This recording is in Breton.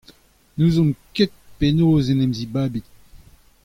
N'ouzomp ket penaos en em zibabint